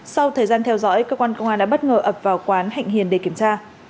sau thời gian theo dõi cơ quan công an đã bất ngờ ập vào quán hạnh hiền để kiểm tra